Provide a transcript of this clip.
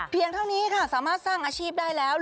เท่านี้ค่ะสามารถสร้างอาชีพได้แล้ว